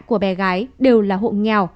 của bé gái đều là hộ nghèo